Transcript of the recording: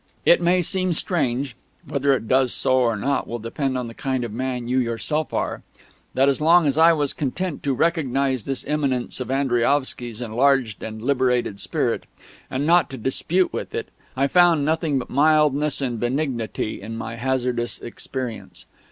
It may seem strange whether it does so or not will depend on the kind of man you yourself are that as long as I was content to recognise this immanence of Andriaovsky's enlarged and liberated spirit, and not to dispute with it, I found nothing but mildness and benignity in my hazardous experience.